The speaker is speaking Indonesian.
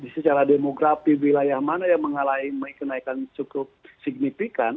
secara demografi wilayah mana yang mengalami kenaikan cukup signifikan